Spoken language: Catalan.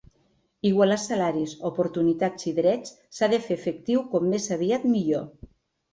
Igualar salaris, oportunitats i drets s’ha de fer efectiu com més aviat millor.